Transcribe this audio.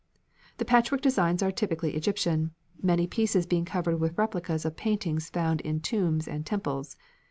The patchwork designs are typically Egyptian, many pieces being covered with replicas of paintings found on tombs and temples.